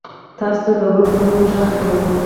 تاسو ته د ورور په نوم غږ کوي.